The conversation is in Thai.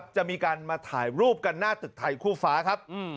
จะมีการมาถ่ายรูปกันหน้าตึกไทยคู่ฟ้าครับ